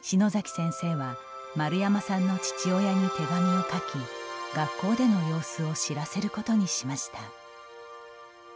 先生は丸山さんの父親に手紙を書き学校での様子を知らせることにしました。